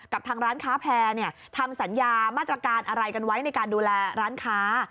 ทางร้านค้าแพร่ทำสัญญามาตรการอะไรกันไว้ในการดูแลร้านค้า